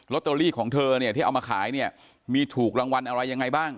ล็อตเตอรี่ของเธอที่เอามาขายมีถูกรางวัลอะไรยังไงบ้าง